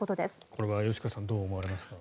これは吉川さんどう思われますか？